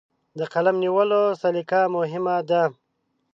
د قلم نیولو سلیقه مهمه ده.